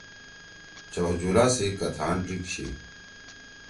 چغجُولا سی کتھان ڙیک چھی۔